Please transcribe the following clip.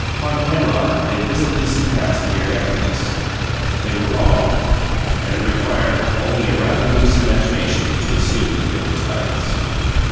Upon Penrod they visibly surpassed mere ampleness; but they were long, and it required only a rather loose imagination to assume that they were tights.